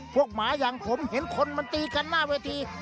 หมาอย่างผมเห็นคนมันตีกันหน้าเวที